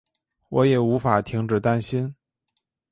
我也无法停止担心